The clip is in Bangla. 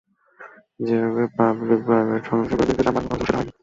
যেভাবে পাবলিক-প্রাইভেট সংমিশ্রণ করে বিদ্যুতের দাম কমানোর কথা ছিল, সেটা হয়নি।